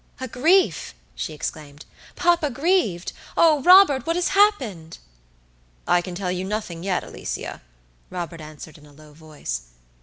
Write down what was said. "A grief?" she exclaimed; "papa grieved! Oh! Robert, what has happened?" "I can tell you nothing yet, Alicia," Robert answered in a low voice.